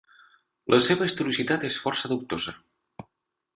La seva historicitat és força dubtosa.